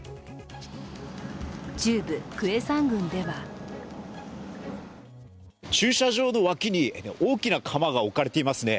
中部クェサン郡では駐車場の脇に大きな釜が置かれていますね。